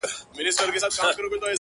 ته يې جادو په شينكي خال كي ويــنې؛